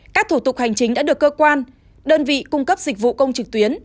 các thủ tục hành chính đã được cơ quan đơn vị cung cấp dịch vụ công trực tuyến